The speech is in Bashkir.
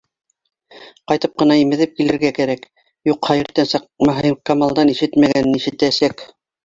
Ҡайтып ҡына имеҙеп килергә кәрәк, юҡһа иртәнсәк Маһикамалдан ишетмәгәнен ишетәсәк.